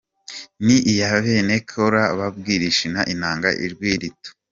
Ni iya bene Kōra babwirisha inanga ijwi rito.